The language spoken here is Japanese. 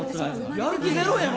やる気ゼロやん。